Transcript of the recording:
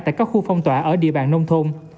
tại các khu phong tỏa ở địa bàn nông thôn